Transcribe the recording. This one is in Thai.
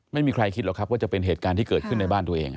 ไม่มีใครคิดหรอกครับว่าจะเป็นเหตุการณ์ที่เกิดขึ้นในบ้านตัวเอง